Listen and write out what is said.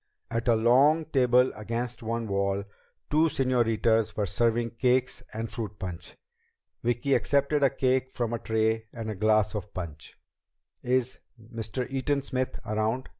At a long table against one wall, two señoritas were serving cakes and fruit punch. Vicki accepted a cake from a tray and a glass of punch. "Is Mr. Eaton Smith around?"